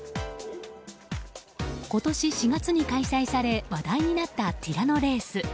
今年４月に開催され話題になったティラノレース。